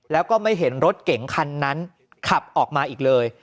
แล้วก็ไม่เห็นรถเก๋งคันนั้นขับออกมาอีกเลย